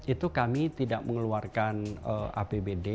itu kami tidak mengeluarkan apbd